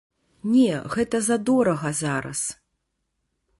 Не, гэта задорага зараз.